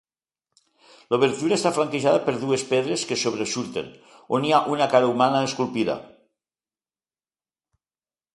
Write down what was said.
L'obertura està flanquejada per dues pedres que sobresurten, on hi ha una cara humana esculpida.